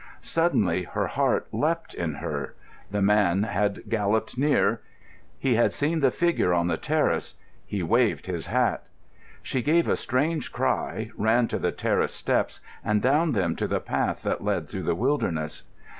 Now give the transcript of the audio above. Suddenly her heart leapt in her. The man had galloped near; he had seen the figure on the terrace; he waved his hat. She gave a strange cry, ran to the terrace steps and down them to the path that led through the wilderness.